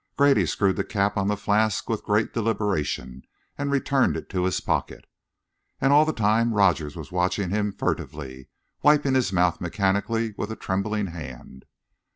Grady screwed the cap on the flask with great deliberation, and returned it to his pocket. And all the time Rogers was watching him furtively, wiping his mouth mechanically with a trembling hand.